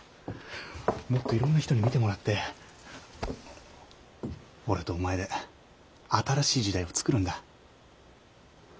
もっといろんな人に見てもらって俺とお前で新しい時代をつくるんだ。